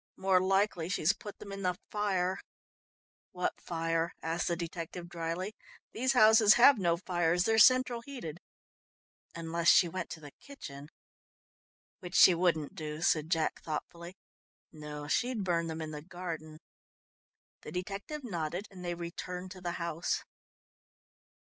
"More likely she's put them in the fire." "What fire?" asked the detective dryly. "These houses have no fires, they're central heated unless she went to the kitchen." "Which she wouldn't do," said Jack thoughtfully. "No, she'd burn them in the garden." The detective nodded, and they returned to the house.